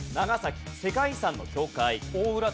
長崎世界遺産の教会。